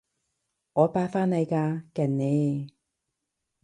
我八返嚟㗎，勁呢？